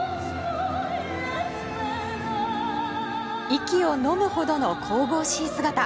息をのむほどの神々しい姿。